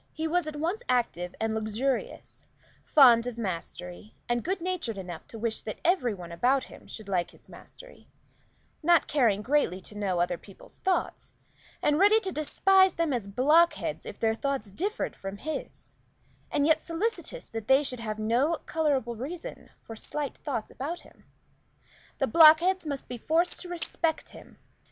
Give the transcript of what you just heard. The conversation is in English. He was at once active and luxurious; fond of mastery, and good natured enough to wish that every one about him should like his mastery; not caring greatly to know other people's thoughts, and ready to despise them as blockheads if their thoughts differed from his, and yet solicitous that they should have no colorable reason for slight thoughts about him. The blockheads must be forced to respect him.